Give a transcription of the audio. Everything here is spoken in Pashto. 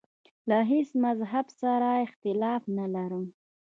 له هیڅ مذهب سره اختلاف نه لرم.